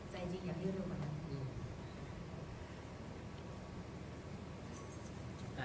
ใจจริงอยากเลือกแล้วก่อนนะโอเค